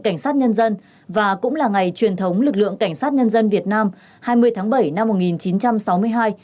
cảnh sát nhân dân và cũng là ngày truyền thống lực lượng cảnh sát nhân dân việt nam hai mươi tháng bảy năm một nghìn chín trăm sáu mươi hai